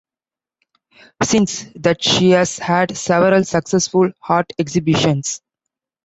Since that she has had several successful art exhibitions.